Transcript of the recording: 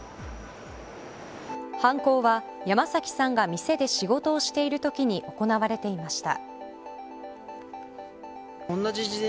犯行は山崎さんが店で仕事をしているときに行われていました。